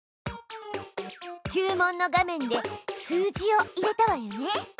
注文の画面で数字を入れたわよね。